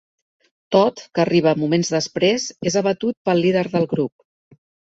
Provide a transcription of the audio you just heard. Todd, que arriba moments després, és abatut pel líder del grup.